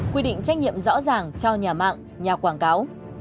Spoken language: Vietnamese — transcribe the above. quy định trách nhiệm rõ ràng cho nhà mạng nhà quảng cáo